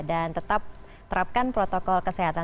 dan tetap terapkan protokol kesehatan